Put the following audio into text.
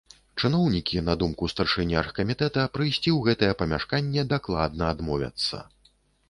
Чыноўнікі, на думку старшыні аргкамітэта, прыйсці ў гэтае памяшканне дакладна адмовяцца.